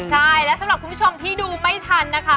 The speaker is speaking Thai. ใช่และสำหรับคุณผู้ชมที่ดูไม่ทันนะคะ